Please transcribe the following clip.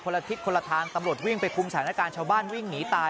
ละทิศคนละทางตำรวจวิ่งไปคุมสถานการณ์ชาวบ้านวิ่งหนีตาย